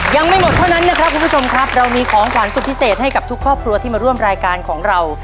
ยังไม่หมดเท่านั้นนะครับคุณผู้ชมครับเรามีของขวัญสุดพิเศษให้กับทุกครอบครัวที่มาร่วมรายการของเรา